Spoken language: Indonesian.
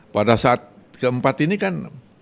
pada saat keempat ini kan